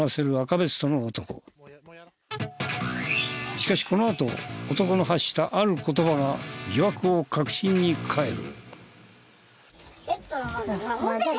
しかしこのあと男の発したある言葉が疑惑を確信に変える。